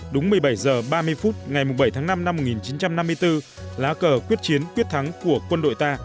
đúng một mươi bảy h ba mươi phút ngày bảy tháng năm năm một nghìn chín trăm năm mươi bốn lá cờ quyết chiến quyết thắng của quân đội ta